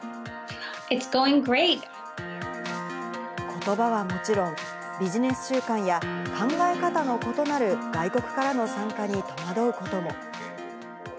ことばはもちろん、ビジネス習慣や考え方の異なる外国からの参加に戸惑うことも。